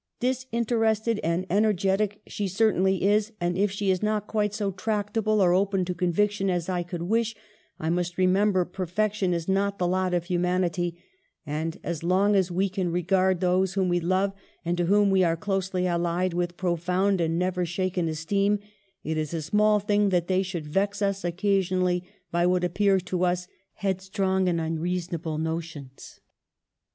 Dis interested and energetic she certainly is ; and, if she be not quite so tractable or open to con viction as I could wish, I must remember per fection is not the lot of humanity, and, as long as we can regard those whom we love, and to whom we are closely allied, with profound and never shaken esteem, it is a small thing that they should vex us occasionally by what appear to us headstrong and unreasonable notions."